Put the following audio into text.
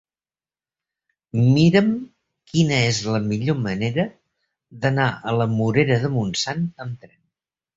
Mira'm quina és la millor manera d'anar a la Morera de Montsant amb tren.